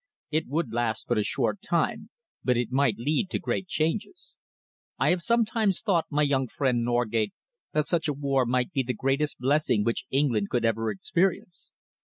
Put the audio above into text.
It would last but a short time, but it might lead to great changes. I have sometimes thought, my young friend Norgate, that such a war might be the greatest blessing which England could ever experience."